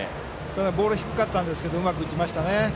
ボールは低かったんですがうまく打ちましたね。